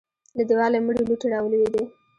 له دېواله مړې لوټې راولوېدې.